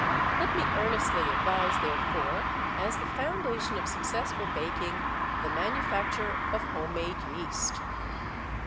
Let me earnestly advise, therefore, as the foundation of successful baking, the manufacture of HOME MADE YEAST.